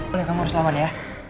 boleh kamu harus selamat ya